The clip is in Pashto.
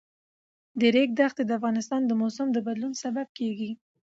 د ریګ دښتې د افغانستان د موسم د بدلون سبب کېږي.